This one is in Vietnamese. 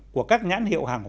của các nhãn hiệu hàng hoa